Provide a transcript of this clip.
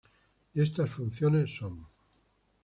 Y estas funciones son